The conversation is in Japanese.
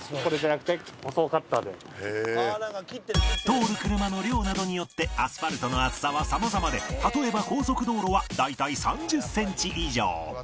通る車の量などによってアスファルトの厚さはさまざまで例えば高速道路は大体３０センチ以上